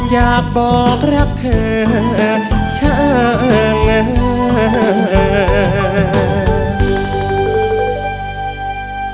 อยากบอกรักเธอช่างเลย